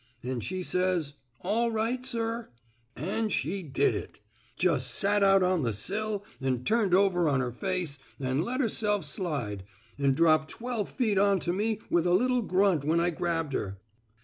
An' she says, * All right, sir — 'an' she did it ! Jus' sat out on the sill an' turned over on her face, an' let herself slide, an' dropped twelve feet on to me with just a little grunt when I grabbed her.